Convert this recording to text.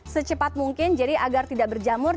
secepat mungkin jadi agar tidak berjamur